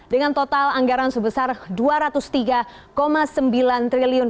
dengan total anggaran sebesar rp dua ratus tiga sembilan triliun